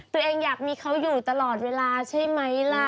ตัวเองอยากมีเขาอยู่ตลอดเวลาใช่ไหมล่ะ